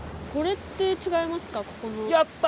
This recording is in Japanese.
やった！